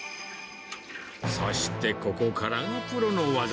そしてここからがプロの技。